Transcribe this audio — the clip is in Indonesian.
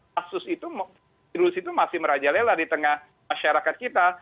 kasus itu virus itu masih merajalela di tengah masyarakat kita